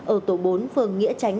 ở tổ bốn phường nghĩa tránh